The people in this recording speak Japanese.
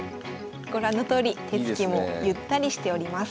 ご覧のとおり手つきもゆったりしております。